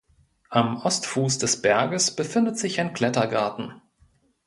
Am Ostfuß des Berges befindet sich ein Klettergarten.